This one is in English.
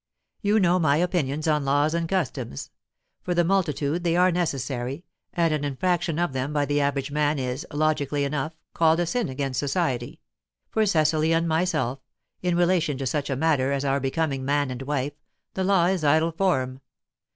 You know my opinions on laws and customs: for the multitude they are necessary, and an infraction of them by the average man is, logically enough, called a sin against society; for Cecily and myself, in relation to such a matter as our becoming man and wife, the law is idle form.